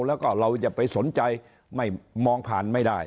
แล้วก็เราจะไปสนใจไม่มองผ่านไม่ได้